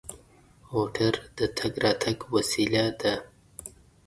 موټر د تګ راتګ وسیله ده.